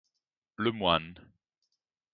Le Moine